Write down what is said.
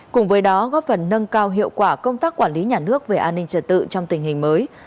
cùng với đó góp phần nâng cao hiệu quả công tác quản lý nhà nước về an ninh trật tự trong tình hình mới